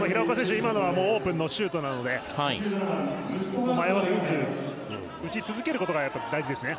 今のはオープンのシュートなので迷わず打ち続けることが大事ですね。